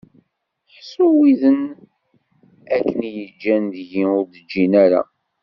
Ḥṣu widen akken i yi-ǧǧan deg-i ur d-ǧǧin ara!